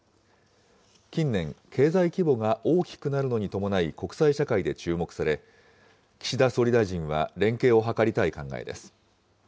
近年、経済規模が大きくなるのに伴い国際社会で注目され、岸田総理大臣は連携を図りたい考えです。